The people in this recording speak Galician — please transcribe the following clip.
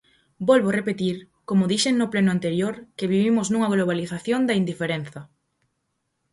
Volvo repetir, como dixen no pleno anterior, que vivimos nunha globalización da indiferenza.